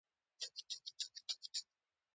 دیني مدرسې د زده کړو مرکزونه دي.